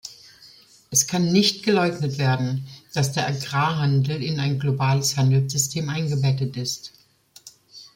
Es kann nicht geleugnet werden, dass der Agrarhandel in ein globales Handelssystem eingebettet ist.